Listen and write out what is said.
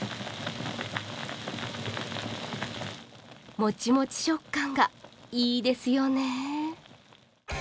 もちもち食感がいいですよね。